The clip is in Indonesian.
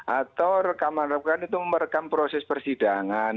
atau rekaman rekaman itu merekam proses persidangan